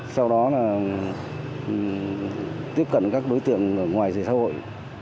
sau đó là tiếp cận các đối tượng ở ngoài dịch xã hội